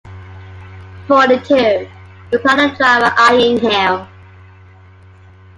‘Forty-two,’ replied the driver, eyeing him.